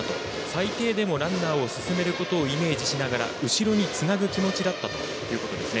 最低でもランナーを進めることをイメージしながら後ろにつなぐ気持ちだったということですね。